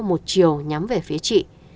một chiều nhắm về phía chị